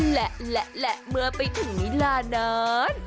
และและและเมื่อไปถึงนิราณนั้น